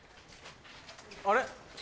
あれ？